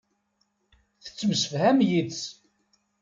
Tettemsefham yid-s.